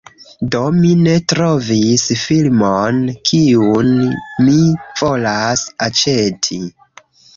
Do, mi ne trovis filmon, kiun mi volas aĉeti